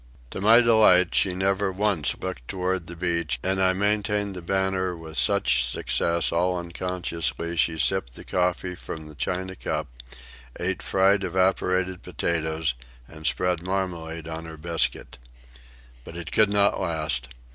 To my delight she never once looked toward the beach, and I maintained the banter with such success all unconsciously she sipped coffee from the china cup, ate fried evaporated potatoes, and spread marmalade on her biscuit. But it could not last.